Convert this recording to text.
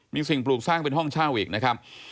มีสิ่งปลูกสร้างเป็นห้องเช่าอีกนะครับ